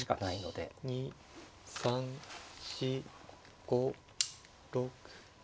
３４５６。